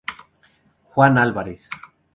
Juan Álvarez.